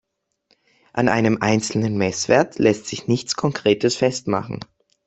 An einem einzelnen Messwert lässt sich nichts Konkretes festmachen.